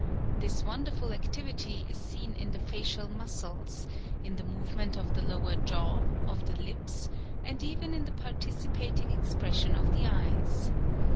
This wonderful activity is seen in the facial muscles, in the movement of the lower jaw, of the lips, and even in the participating expres sion of the eyes.